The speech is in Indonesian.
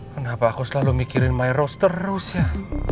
kenapa aku selalu mikirin my rose terus ya